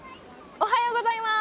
おはようございます！